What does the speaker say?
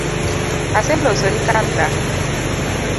Aseloso ni kar dak